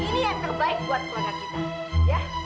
ini yang terbaik buat keluarga kita ya